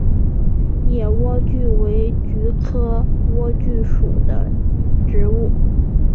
野莴苣为菊科莴苣属的植物。